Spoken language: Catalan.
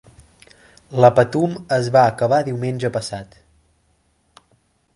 La Patum es va acabar diumenge passat.